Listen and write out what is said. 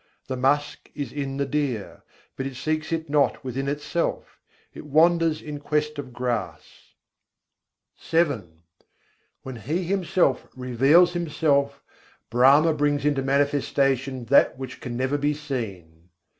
The musk is in the deer, but it seeks it not within itself: it wanders in quest of grass. VII I. 85. Sâdho, Brahm alakh lakhâyâ When He Himself reveals Himself, Brahma brings into manifestation That which can never be seen.